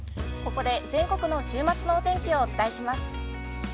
◆ここで全国の週末のお天気をお伝えします。